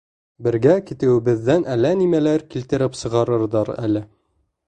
Бергә китеүебеҙҙән әллә нимәләр килтереп сығарырҙар әле!